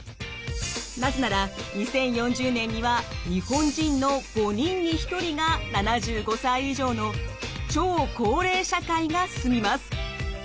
なぜなら２０４０年には日本人の５人に１人が７５歳以上の超高齢社会が進みます。